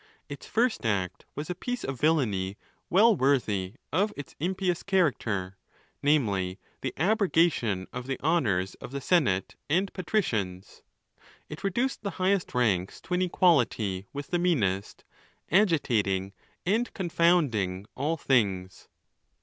Its first act was a piece of villany well worthy of its impious character, namely, the abrogation of the honours of the senate and patricians. It reduced the highest ranks to an equality with the meanest, agitating and confounding all things.